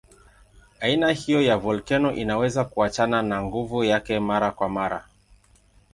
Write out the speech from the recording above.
Aina hiyo ya volkeno inaweza kuachana na nguvu yake mara kwa mara.